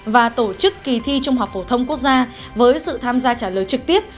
và tổ chức kỳ thi trung học phổ thông quốc gia với sự tham gia trả lời trực tiếp